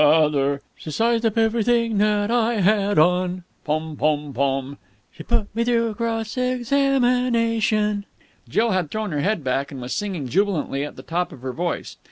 "O o o other!" "She sized up everything that I had on!" "Pom pom pom!" "She put me through a cross examination...." Jill had thrown her head back, and was singing jubilantly at the top of her voice.